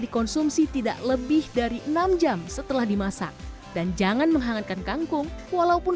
dikonsumsi tidak lebih dari enam jam setelah dimasak dan jangan menghangatkan kangkung walaupun